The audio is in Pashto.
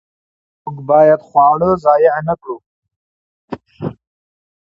موږ باید خواړه ضایع نه کړو.